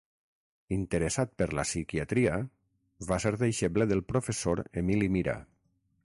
Interessat per la psiquiatria, va ser deixeble del professor Emili Mira.